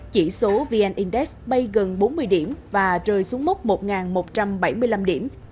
chỉ số vn index bay gần bốn mươi điểm và rơi xuống mốc một một trăm bảy mươi năm điểm